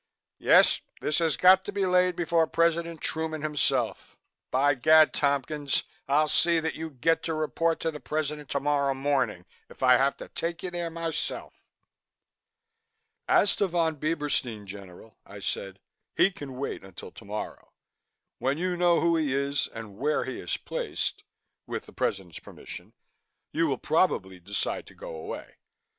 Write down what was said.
"Yes, this has got to be laid before President Truman himself. By Gad, Tompkins, I'll see that you get to report to the President tomorrow morning if I have to take you there myself." "As to Von Bieberstein, General," I said, "he can wait until tomorrow. When you know who he is and where he is placed with the President's permission you will probably decide to go away.